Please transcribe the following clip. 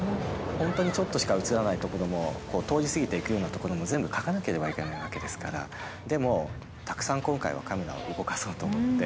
本当にちょっとしか映らないところも、通り過ぎていくようなところも全部描かなければいけないわけですから、でもたくさん今回はカメラを動かそうと思って。